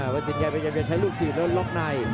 วันสินใจเป็นการใช้ลูกถือแล้วรอบใน